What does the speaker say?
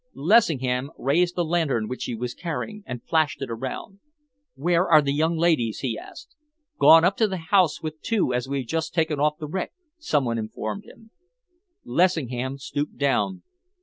Lessingham raised the lantern which he was carrying, and flashed it around. "Where are the young ladies?" he asked. "Gone up to the house with two as we've just taken off the wreck," some one informed him. Lessingham stooped down.